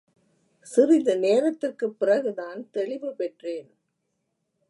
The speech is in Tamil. சிறிது நேரத்திற்குப் பிறகுதான் தெளிவுபெற்றேன்.